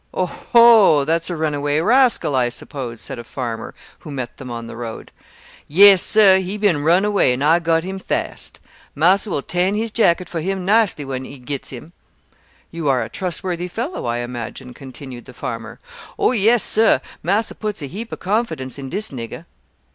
"Oh, ho, that's a runaway rascal, I suppose," said a farmer, who met them on the road. "Yes, sir, he bin runaway, and I got him fast. Marser will tan his jacket for him nicely when he gets him." "You are a trustworthy fellow, I imagine," continued the farmer. "Oh yes, sir; marser puts a heap of confidence in dis nigger."